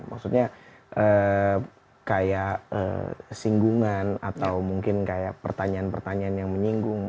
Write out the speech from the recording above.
maksudnya kayak singgungan atau mungkin kayak pertanyaan pertanyaan yang menyinggung